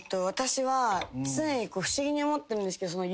私は常に不思議に思ってるんですけど。